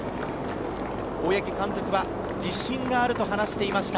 大八木監督は自信があると話していました。